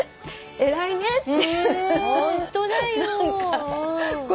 偉いねって。